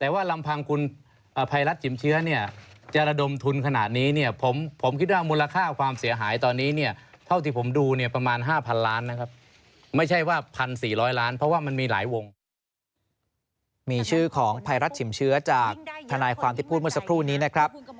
ของไพรัสฉิมเชื้อจากธนายความที่พูดเมื่อสักครู่นี้นะครับ